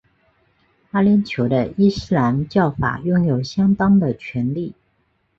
阿联酋的伊斯兰教法拥有相当的权力。